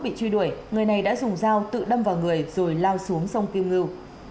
bị truy đuổi người này đã dùng dao tự đâm vào người rồi lao xuống sông kiêu ngu